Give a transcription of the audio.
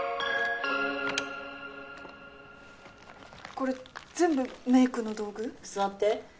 これ全部メイクの道具？座って。